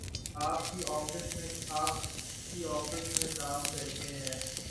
آپ کی آفس میں کام کرتے ہیں۔